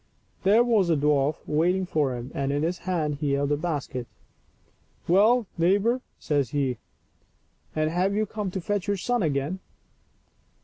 There was the dwarf waiting for him, and in his hand he held a basket. " Well, neighbor," says he, " and have you come to fetch your son again